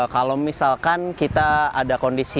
kalau misalkan kita ada kondisi